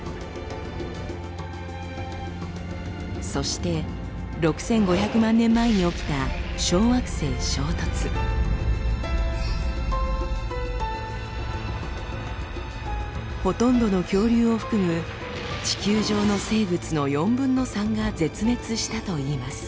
そして６，５００万年前に起きたほとんどの恐竜を含む地球上の生物の４分の３が絶滅したといいます。